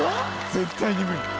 絶対に無理！